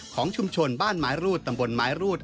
ของชุมชนบ้านไม้รูดตำบลไม้รูด